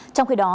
trong khi đó